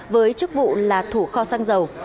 với chức vụ là thủ kho xăng dầu